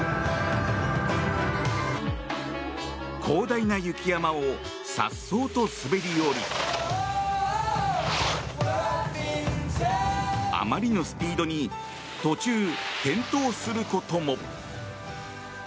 広大な雪山を颯爽と滑り降りあまりのスピードに途中、転倒することも。